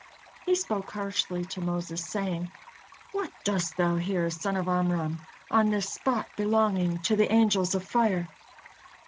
He spoke harshly to Moses, saying: "What dost thou here, son of Amram, on this spot, belonging to the angels of fire?"